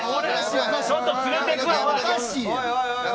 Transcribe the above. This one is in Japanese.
ちょっと連れていくわ。